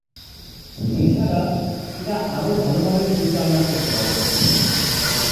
এছাড়া, এটা আরও ভালোভাবে পরিচালনা করতে পারবে।